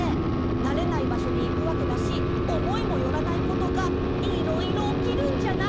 なれないばしょにいくわけだしおもいもよらないことがいろいろおきるんじゃない？